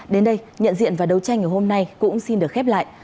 đến đây nhận diện và đấu tranh ngày hôm nay cũng xin được khép lại